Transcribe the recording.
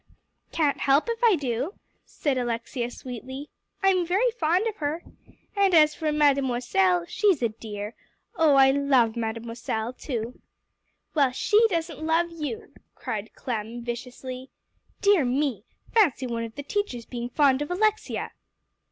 "Can't help it if I do," said Alexia sweetly. "I'm very fond of her. And as for Mademoiselle, she's a dear. Oh, I love Mademoiselle, too." "Well, she doesn't love you," cried Clem viciously. "Dear me! fancy one of the teachers being fond of Alexia!"